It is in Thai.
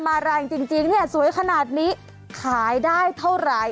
มาร่างจริงสวยขนาดนี้ขายได้เท่าไร